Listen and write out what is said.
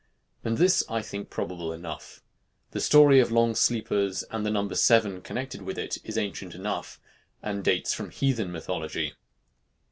And this I think probable enough. The story of long sleepers and the number seven connected with it is ancient enough, and dates from heathen mythology.